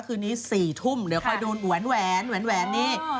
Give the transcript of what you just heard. คืนนี้๔ทุ่มเดี๋ยวค่อยโดนแหวนแหวนนี่